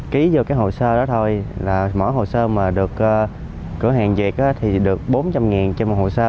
ký vô cái hồ sơ đó thôi là mỗi hồ sơ mà được cửa hàng về thì được bốn trăm linh trên một hồ sơ